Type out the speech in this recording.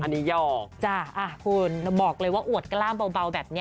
อันนี้หยอกจ้ะคุณบอกเลยว่าอวดกล้ามเบาแบบนี้